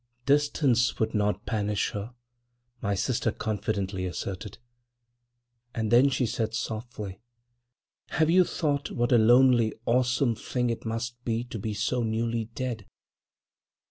"Distance would not banish her," my sister confidently asserted. And then she said, softly: "Have you thought what a lonely, awesome thing it must be to be so newly dead?